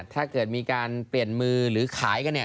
ถ้าเกิดมีการเปลี่ยนมือหรือขายกันเนี่ย